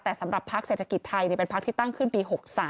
แต่สำหรับพักเศรษฐกิจไทยเป็นพักที่ตั้งขึ้นปี๖๓